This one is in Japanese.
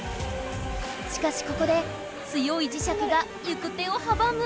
しかしここで強い磁石が行く手をはばむ！